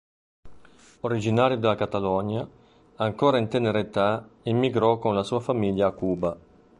Originario della Catalogna, ancora in tenera età emigrò con la sua famiglia a Cuba.